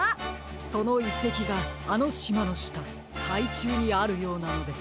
そのいせきがあのしまのしたかいちゅうにあるようなのです。